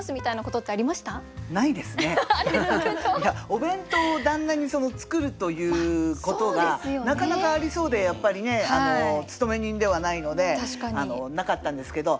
お弁当を旦那に作るということがなかなかありそうでやっぱりね勤め人ではないのでなかったんですけど。